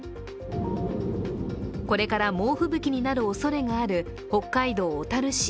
これからも猛吹雪になるおそれがある北海道小樽市。